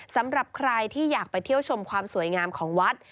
สำหรับใครที่อยากไปเที่ยวชมความสวยงามของวัด